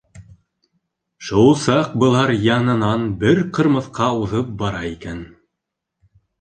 Шул саҡ былар янынан бер Ҡырмыҫҡа уҙып бара икән.